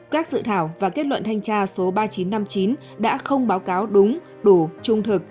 các dự thảo và kết luận thanh tra số ba nghìn chín trăm năm mươi chín đã không báo cáo đúng đủ trung thực